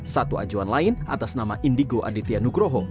satu ajuan lain atas nama indigo aditya nugroho